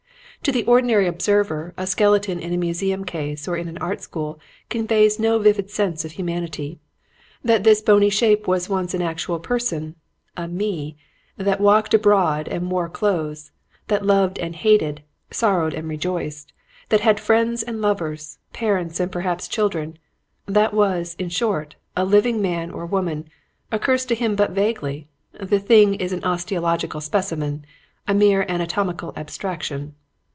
To the ordinary observer a skeleton in a museum case or in an art school conveys no vivid sense of humanity. That this bony shape was once an actual person, a Me, that walked abroad and wore clothes, that loved and hated, sorrowed and rejoiced, that had friends and lovers, parents and perhaps children; that was, in short, a living man or woman, occurs to him but vaguely. The thing is an osteological specimen; a mere anatomical abstraction.